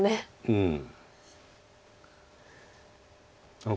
うん。